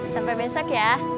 sampai besok ya